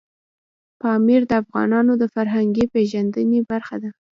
پامیر د افغانانو د فرهنګي پیژندنې برخه ده.